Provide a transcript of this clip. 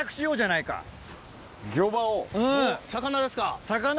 魚ですか？